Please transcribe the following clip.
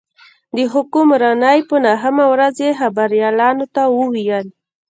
د حکمرانۍ په نهمه ورځ یې خبریالانو ته وویل.